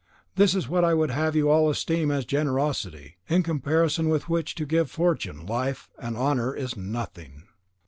This is what I would have you all esteem as generosity, in comparison with which to give fortune, life, and honour, is nothing.